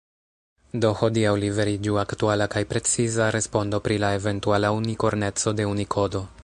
Do hodiaŭ liveriĝu aktuala kaj preciza respondo pri la eventuala unikorneco de Unikodo.